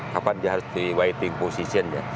kapan dia harus di waiting position